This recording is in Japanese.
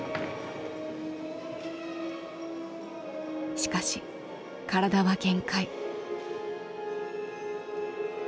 しかし体は限界。